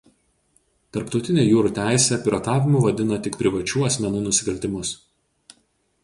Tarptautinė jūrų teisė piratavimu vadina tik privačių asmenų nusikaltimus.